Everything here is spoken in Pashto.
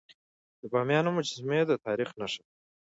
د بامیانو مجسمي د تاریخ نښه ده.